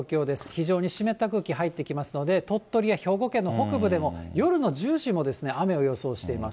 非常に湿った空気入ってきますので、鳥取や兵庫県の北部でも、夜の１０時も雨を予想しています。